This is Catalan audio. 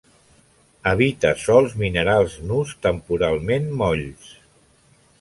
Habita sòls minerals nus temporalment molls.